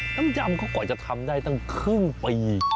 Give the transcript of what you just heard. น้ำยำเขาก็จะทำได้ตั้งครึ่งปี